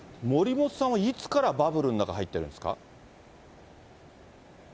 森本さんはいつからバブルの中に入ってるんですか。